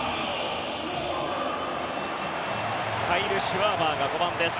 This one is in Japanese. カイル・シュワバーが５番です。